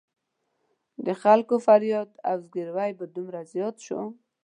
د خلکو فریاد او زګېروي به دومره زیات شول.